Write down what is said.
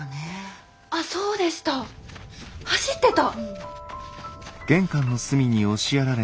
あっそうでした走ってた。